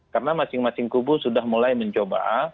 karena masing masing kubu sudah mulai mencoba